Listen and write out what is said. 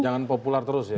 jangan populer terus ya